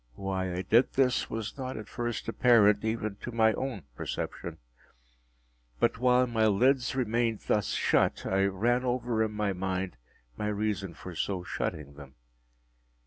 Why I did this was not at first apparent even to my own perception. But while my lids remained thus shut, I ran over in my mind my reason for so shutting them.